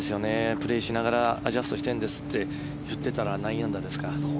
プレーしながらアジャストしたいんですって言っていたら９アンダーですか。